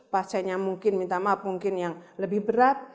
pasien yang mungkin minta maaf mungkin yang lebih berat